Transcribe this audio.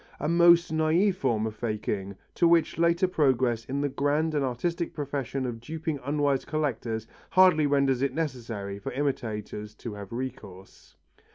A most naïve form of faking to which later progress in the grand and artistic profession of duping unwise collectors hardly renders it necessary for imitators to have recourse.